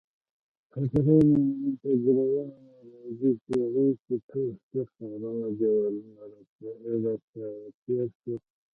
په درېیمه میلادي پېړۍ کې ټول ستر ښارونه دېوالونو راچاپېر شول